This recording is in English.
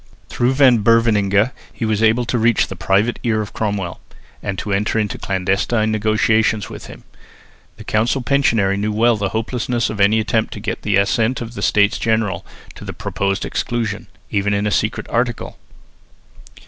Through Van Beverningh he was able to reach the private ear of Cromwell, and to enter into clandestine negotiations with him. The council pensionary knew well the hopelessness of any attempt to get the assent of the States General to the proposed exclusion, even in a secret article.